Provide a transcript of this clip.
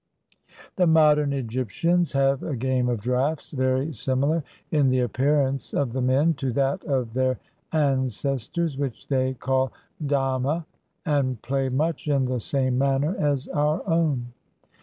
The modem Egyptians have a game of draughts, very similar, in the appearance of the men, to that of their ancestors, which they call ddmeh, and play much in the same manner as our own.